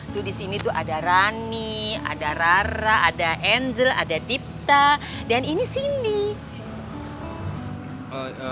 tuh di sini tuh ada rani ada rara ada angel ada dipta dan ini cindy